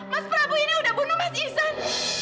mas prabu ini udah bunuh mas ihsan